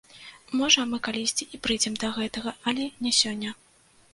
Можа, мы калісьці і прыйдзем да гэтага, але не сёння.